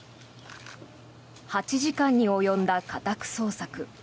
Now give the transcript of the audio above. ８時間に及んだ家宅捜索。